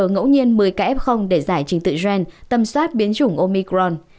ngẫu nhiên một mươi ca f để giải trình tự gen tầm soát biến chủng omicron